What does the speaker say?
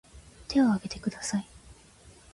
手を挙げてください